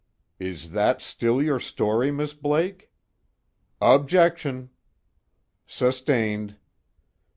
"That is still your story, Miss Blake?" "Objection!" "Sustained."